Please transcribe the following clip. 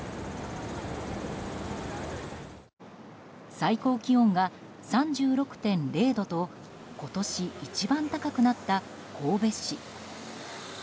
最高気温が３６．０度と今年一番高くなった神戸市。